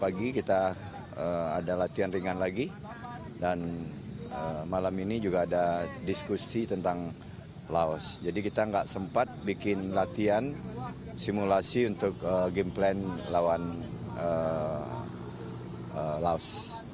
pagi kita ada latihan ringan lagi dan malam ini juga ada diskusi tentang laos jadi kita nggak sempat bikin latihan simulasi untuk game plan lawan laos